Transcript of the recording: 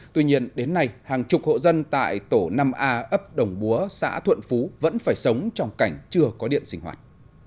tuy nhiên đến nay hàng chục hộ dân tại tổ năm a ấp đồng búa xã thuận phú vẫn phải sống trong cảnh chưa có điện sinh hoạt